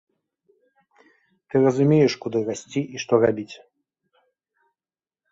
Ты разумееш, куды расці і што рабіць.